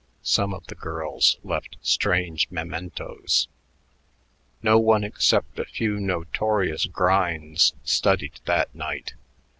Some of the girls left strange mementos.... No one except a few notorious grinds studied that night.